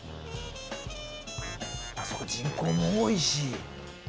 あっそうか人口も多いし。